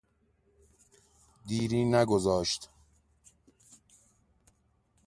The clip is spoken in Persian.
دیری نگذاشت